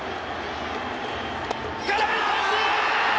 空振り三振！